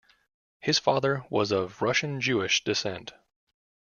His father was of Russian-Jewish descent.